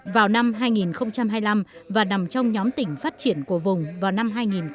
vào năm hai nghìn hai mươi năm và nằm trong nhóm tỉnh phát triển của vùng vào năm hai nghìn ba mươi